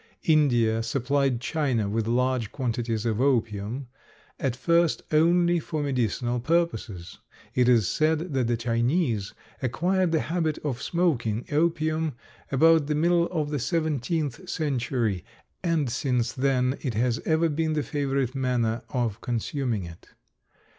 India supplied China with large quantities of opium, at first only for medicinal purposes. It is said that the Chinese acquired the habit of smoking opium about the middle of the seventeenth century, and since then it has ever been the favorite manner of consuming it.